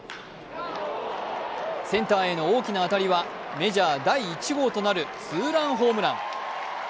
センターへの大きな当たりはメジャー第１号となるツーランホームラン。